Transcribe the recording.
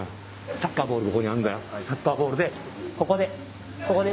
サッカーボールでここでここで。